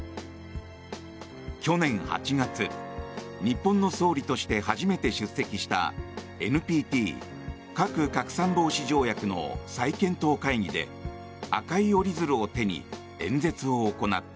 去年８月、日本の総理として初めて出席したＮＰＴ・核拡散防止条約の再検討会議で赤い折り鶴を手に演説を行った。